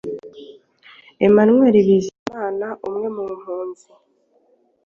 Emmanuel Bizimana, umwe mu mpunzi